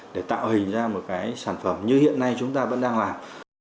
để tạo hình ra một cái sản phẩm như hiện nay chúng ta vẫn đang làm